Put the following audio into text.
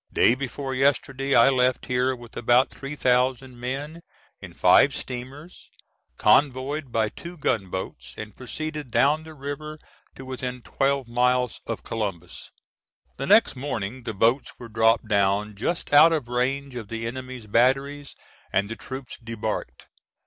Day before yesterday, I left here with about 3000 men in five steamers, convoyed by two gun boats, and proceeded down the river to within twelve miles of Columbus. The next morning the boats were dropped down just out of range of the enemy's batteries and the troops debarked.